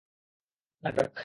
না, ড্রাক।